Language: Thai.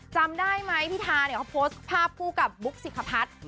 จำได้ไหมพี่ทาเขาโพสต์ภาพผู้กับบุ๊คสิขพัฏ